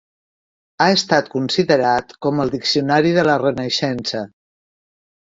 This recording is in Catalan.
Ha estat considerat com el diccionari de la Renaixença.